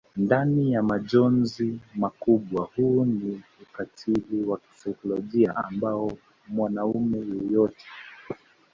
ndani ya majonzi makubwa huu ni ukatili wa kisaikolojia ambao mwanaume yeyote